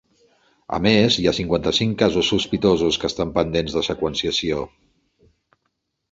A més, hi ha cinquanta-cinc casos sospitosos que estan pendents de seqüenciació.